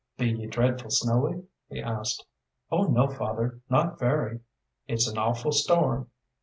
"Be you dreadful snowy?" he asked. "Oh no, father, not very." "It's an awful storm."